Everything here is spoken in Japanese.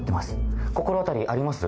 心当たりあります？